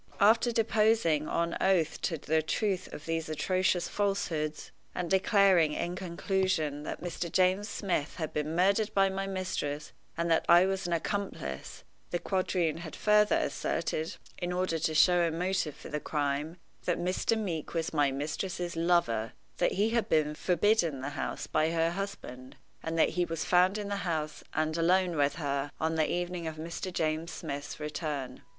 After deposing on oath to the truth of these atrocious falsehoods, and declaring, in conclusion, that Mr. James Smith had been murdered by my mistress, and that I was an accomplice, the quadroon had further asserted, in order to show a motive for the crime, that Mr. Meeke was my mistress's lover; that he had been forbidden the house by her husband, and that he was found in the house, and alone with her, on the evening of Mr. James Smith's return.